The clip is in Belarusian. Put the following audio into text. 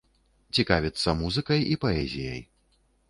Цікавіцца музыкай і паэзіяй.